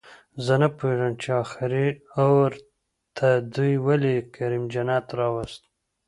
زه نپوهېږم چې اخري اوور ته دوئ ولې کریم جنت راووست